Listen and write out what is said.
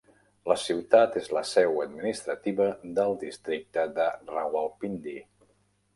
La ciutat és la seu administrativa del districte de Rawalpindi.